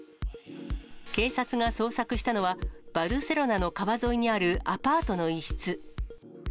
警察が捜索したのは、バルセロナの川沿いにあるアパートの一室。